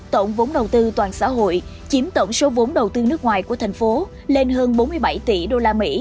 tổng vốn đầu tư toàn xã hội chiếm tổng số vốn đầu tư nước ngoài của thành phố lên hơn bốn mươi bảy tỷ usd